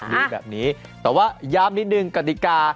มีแบบนี้แต่ว่าย้ำนิดนึงกติกา